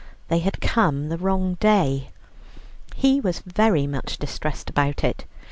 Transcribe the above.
They had come the wrong day. He was very much distressed about it.